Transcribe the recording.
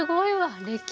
歴史。